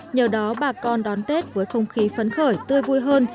nhờ đó bà con đón tết với không khí phấn khởi tươi vui hơn